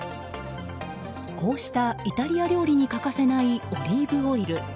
こうしたイタリア料理に欠かせないオリーブオイル。